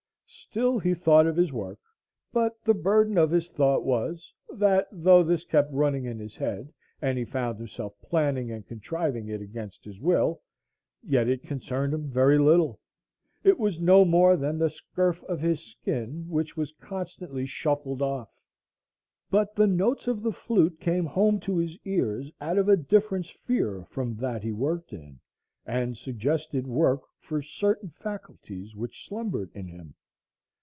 Still he thought of his work; but the burden of his thought was, that though this kept running in his head, and he found himself planning and contriving it against his will, yet it concerned him very little. It was no more than the scurf of his skin, which was constantly shuffled off. But the notes of the flute came home to his ears out of a different sphere from that he worked in, and suggested work for certain faculties which slumbered in him.